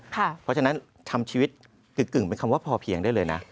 เพราะฉะนั้นทำชีวิตกึ่งเป็นคำว่าพอเพียงได้เลยนะ